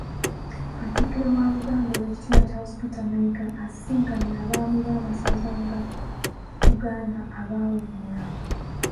Katikkiro wa Buganda Owekiibwa Charles Peter Mayiga asisinkanye abaami b'amasaza ga Buganda abaawummula.